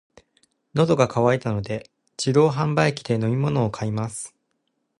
喉が渇いたので、自動販売機で飲み物を買います。